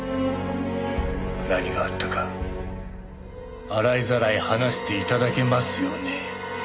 何があったか洗いざらい話して頂けますよね？